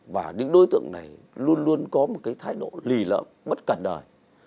và những đối tượng này luôn luôn có một cái thái độ lì lỡ bất cẩn đời